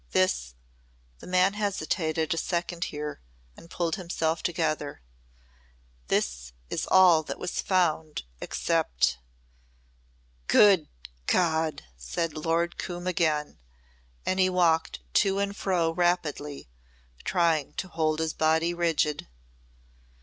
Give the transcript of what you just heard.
This " the man hesitated a second here and pulled himself together, " this is all that was found except " "Good God!" said Lord Coombe again and he walked to and fro rapidly, trying to hold his body rigid.